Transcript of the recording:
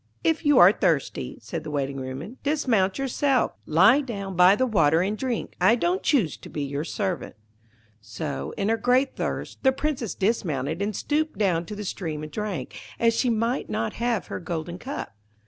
'If you are thirsty,' said the Waiting woman, 'dismount yourself, lie down by the water and drink. I don't choose to be your servant.' So, in her great thirst, the Princess dismounted and stooped down to the stream and drank, as she might not have her golden cup.